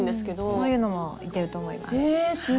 そういうのもいけると思います。